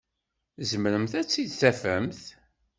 Tzemremt ad t-id-tafemt?